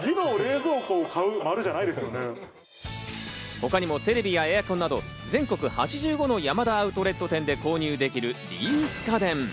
他にもテレビやエアコンなど、全国８５のヤマダアウトレット店で購入できるリユース家電。